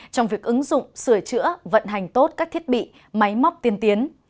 trong việc ứng dụng sửa chữa vận hành tốt các thiết bị máy móc tiên tiến